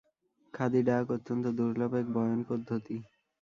খাদী-ডাক অত্যন্ত দুর্লভ এক বয়নপদ্ধতি।